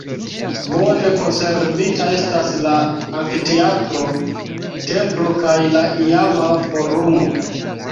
Bone konservita estas la amfiteatro, templo kaj la iama forumo.